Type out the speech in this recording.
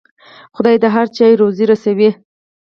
خدای د هر چا روزي رسوي.